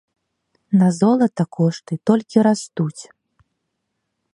На золата кошты толькі растуць!